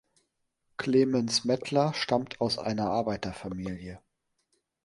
Clemens Mettler stammt aus einer Arbeiterfamilie.